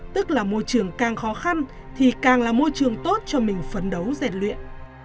tức là môi trường càng khó khăn thì càng là môi trường tốt cho mình phấn đấu rèn luyện